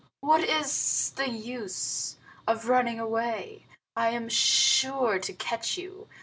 What is the use of running away? I am sure to catch you.